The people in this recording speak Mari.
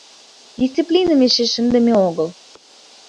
Дисциплиным эше шындыме огыл.